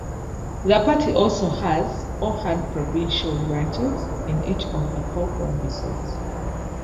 The party also has or had provincial branches in each of the four provinces.